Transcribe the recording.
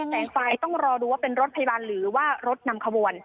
แสงไฟต้องรอดูว่าเป็นรถพยาบาลหรือว่ารถนำขบวน